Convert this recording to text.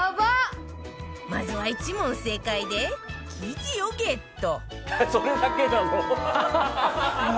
まずは１問正解で生地をゲット